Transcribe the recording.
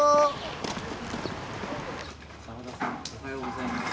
澤田さんおはようございます。